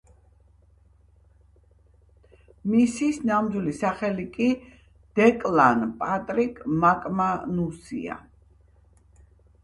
მისის ნამდვილი სახელი კი დეკლან პატრიკ მაკმანუსია.